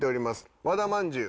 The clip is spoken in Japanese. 和田まんじゅう。